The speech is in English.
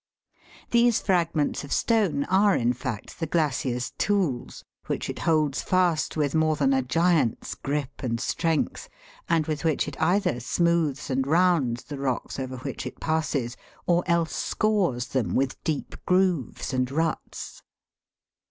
These fragments of stone are, in fact, the THE GLACIER'S TOOLS. 69 glacier's tools, which it holds fast with more than a giant's grip and strength, and with which it either smooths and rounds the rocks over which it passes, or else scores them 'with deep grooves and ruts.